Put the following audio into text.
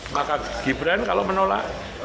maka gibran kalau menolak